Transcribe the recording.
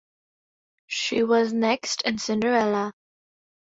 She was next in "Cinderella".